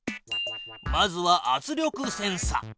まずは圧力センサ。